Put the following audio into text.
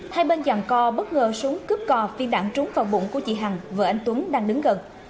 hai bên dàn co bất ngờ súng cướp cò viên đạn trúng vào bụng của chị hằng vợ anh tuấn đang đứng gần